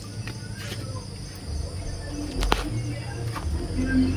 Se casó con Pilar Lorenzo Martínez y tuvieron una hija.